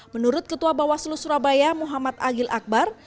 menurut ketua bawaslu surabaya muhammad agil akbar